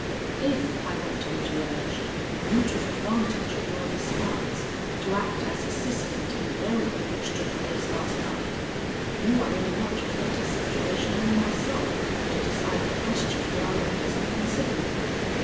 "If," I went on to urge, "you took advantage of your disguise to act as assistant in the burial which took place last night, you are in a much better situation than myself to decide the question we are at present considering.